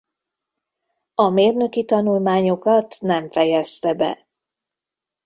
A mérnöki tanulmányokat nem fejezte be.